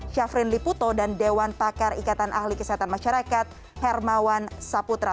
syafrin liputo dan dewan pakar ikatan ahli kesehatan masyarakat hermawan saputra